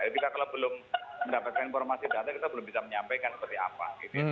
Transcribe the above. jadi kalau belum mendapatkan informasi data kita belum bisa menyampaikan seperti apa